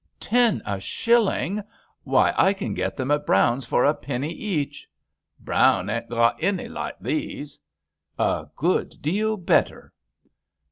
"Ten a shilling! Why I can get them at Brown's for a penny each." "Brown ain't gawt any like these." " A good deal better."